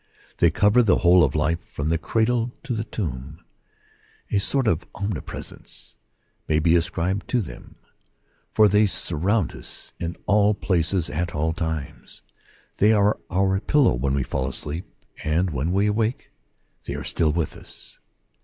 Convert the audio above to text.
They cover the whole of life from the cradle to the tomb. A sort of omni presence may be ascribed to them ; for they sur round us in all places and at all times. They are our pillow when we fall asleep, and when we awake they are still with us.